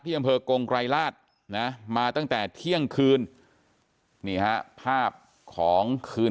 ที่บริเวณกรงไกรลาศนะมาตั้งแต่เที่ยงคืนนี่ภาพของคืน